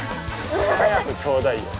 早くちょうだいよ」。